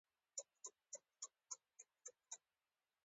د کوټې د پښتو اکاډمۍ سیمنار کې یې سک وتلی و.